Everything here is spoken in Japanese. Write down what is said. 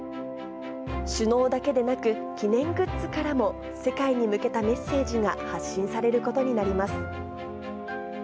首脳だけでなく、記念グッズからも世界に向けたメッセージが発信されることになります。